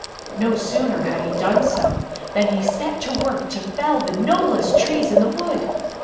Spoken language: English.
No sooner had he done so than he set to work to fell the noblest Trees in the wood.